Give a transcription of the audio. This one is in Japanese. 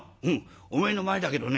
おめえの前だけどね